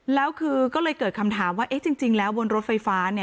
แล้วคือก็เลยเกิดคำถามว่าจริงแล้วบนรถไฟฟ้า